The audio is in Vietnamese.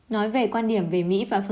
nói về quan điểm về mỹ và phương pháp